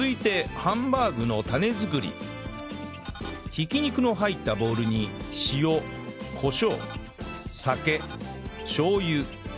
挽き肉の入ったボウルに塩コショウ酒しょう油しょうが